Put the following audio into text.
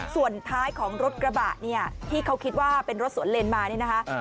ส่วนท้ายของรถกระบะเนี่ยที่เขาคิดว่าเป็นรถสวนเลนมาเนี่ยนะคะ